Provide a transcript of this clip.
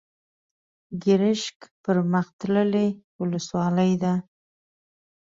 ګرشک پرمختللې ولسوالۍ ده.